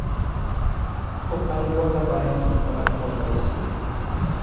خو پانګونه باید په پوره پوهه وشي.